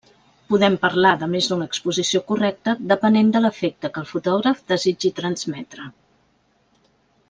Podem parlar de més d'una exposició correcta depenent de l'efecte que el fotògraf desitgi transmetre.